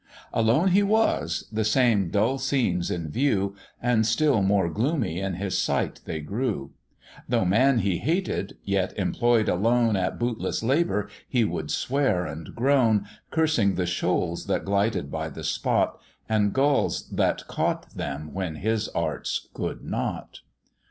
Alone he was, the same dull scenes in view, And still more gloomy in his sight they grew: Though man he hated, yet employ'd alone At bootless labour, he would swear and groan, Cursing the shoals that glided by the spot, And gulls that caught them when his arts could not.